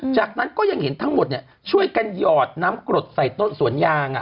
จากนั้นก็ยังเห็นทั้งหมดช่วยกันหยอดน้ำกรดใส่ต้นสวนยาง